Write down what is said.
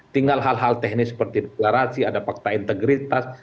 tinggal hal hal teknis seperti deklarasi ada fakta integritas